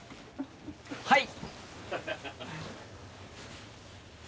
はい！